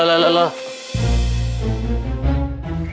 kalian pada mau kemana